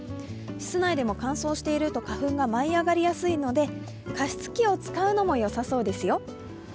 室内でも乾燥していると花粉が舞い上がりやすいので、加湿器を使うのもよさそうですよ。